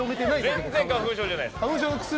全然、花粉症じゃないです。